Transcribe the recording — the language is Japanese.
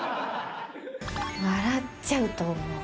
笑っちゃうと思う。